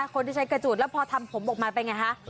คนที่ใช้กระจูดแล้วพอทำผมออกมาเป็นไงคะ